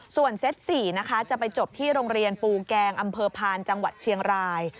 ส่วนเซต๔นะคะจะไปจบที่โรงเรียนปูแกงอำเภอพานจังหวัดเชียงราย